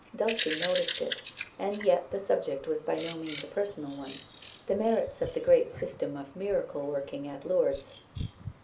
Dulce noticed it, and yet the subject was by no means a personal one — the merits of the great system of miracle working at Lourdes.